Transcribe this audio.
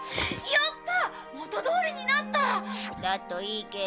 やった！